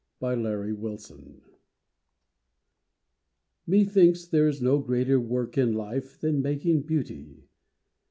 BEAUTY MAKING Methinks there is no greater work in life Than making beauty.